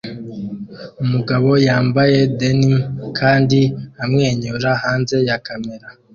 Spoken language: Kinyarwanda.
Umugabo yambaye denim kandi amwenyura hanze ya kamera